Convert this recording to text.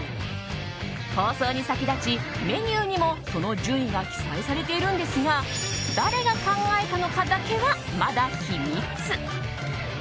放送に先立ちメニューにも、その順位が記載されているんですが誰が考えたのかだけはまだ秘密。